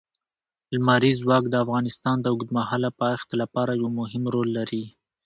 لمریز ځواک د افغانستان د اوږدمهاله پایښت لپاره یو مهم رول لري.